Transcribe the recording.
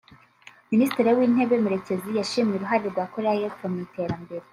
Minisitiri w’Intebe Murekezi yashimye uruhare rwa Koreya y’Epfo mu iterambere